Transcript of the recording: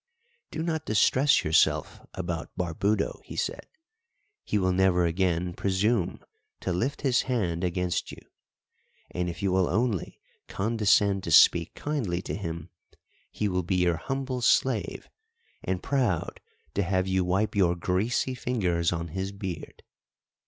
"Do not distress yourself about Barbudo," he said. "He will never again presume to lift his hand against you; and if you will only condescend to speak kindly to him, he will be your humble slave and proud to have you wipe your greasy fingers on his beard.